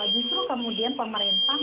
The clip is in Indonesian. justru kemudian pemerintah